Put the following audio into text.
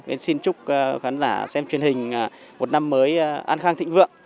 nên xin chúc khán giả xem truyền hình một năm mới an khang thịnh vượng